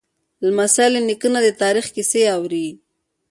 لمسی له نیکه نه د تاریخ کیسې اوري.